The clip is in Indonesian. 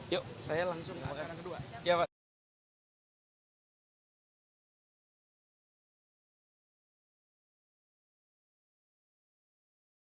yuk saya langsung ke bagian kedua